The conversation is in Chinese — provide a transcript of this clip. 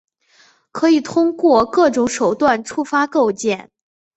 可以通过各种手段触发构建。